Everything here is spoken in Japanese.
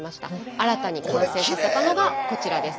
新たに完成させたのがこちらです。